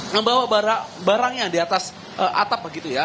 membawa barangnya di atas atap begitu ya